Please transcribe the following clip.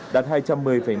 đạt hai triệu đồng